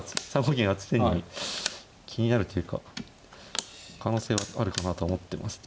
銀は常に気になるというか可能性はあるかなとは思ってました。